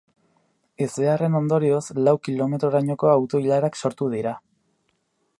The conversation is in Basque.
Ezbeharraren ondorioz, lau kilometrorainoko auto-ilarak sortu dira.